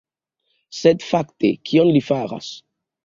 Sed fakte kion li faras?